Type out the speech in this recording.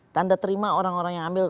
tanda terima orang orang yang ambil